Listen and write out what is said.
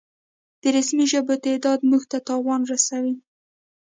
د رسمي ژبو تعداد مونږ ته تاوان رسوي